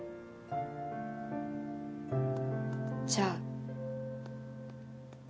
じゃあ。